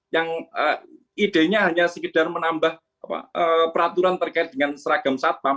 yang idenya hanya sekedar menambah peraturan terkait dengan seragam satpam